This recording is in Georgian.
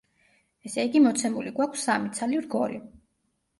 ესე იგი, მოცემული გვაქვს სამი ცალი რგოლი.